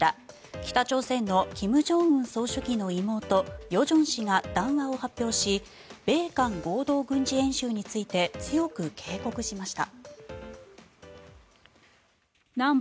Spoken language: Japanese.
北朝鮮の金正恩総書記の妹・与正氏が談話を発表し米韓合同軍事演習について強く警告しました。